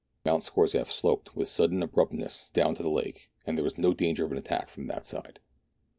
Mount Scorzef sloped with sudden abruptness down to the lake, and there was no danger of an attack from that side.